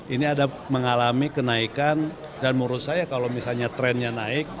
ini ada mengalami kenaikan dan menurut saya kalau misalnya trennya naik